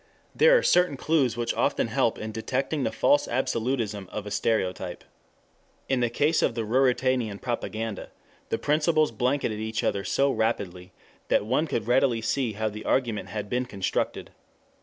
There are certain clues which often help in detecting the false absolutism of a stereotype. In the case of the Ruritanian propaganda the principles blanketed each other so rapidly that one could readily see how the argument had been constructed.